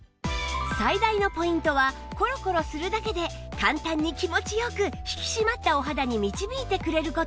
最大のポイントはコロコロするだけで簡単に気持ち良く引き締まったお肌に導いてくれる事